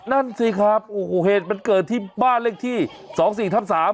นั่นสิครับโอ้โหเหตุมันเกิดที่บ้านเลขที่๒๔ทับ๓